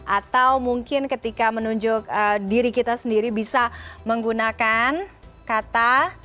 atau mungkin ketika menunjuk diri kita sendiri bisa menggunakan kata